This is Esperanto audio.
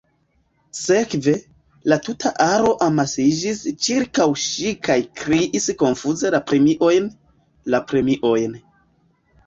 Sekve, la tuta aro amasiĝis ĉirkaŭ ŝi kaj kriis konfuze La premiojn, la premiojn.